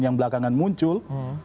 yang belakangan muncul